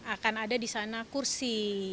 akan ada di sana kursi